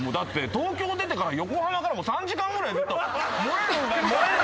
東京出てから横浜から３時間ぐらいずっと漏れる漏れるだっつって。